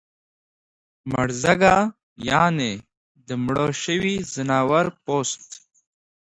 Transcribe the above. مړزګه یعنی د مړه شوي ځناور پوست